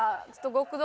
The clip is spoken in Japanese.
極道